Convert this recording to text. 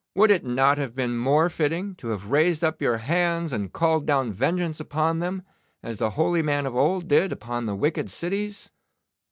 'Would it not have been more fitting to have raised up your hands and called down vengeance upon them, as the holy man of old did upon the wicked cities?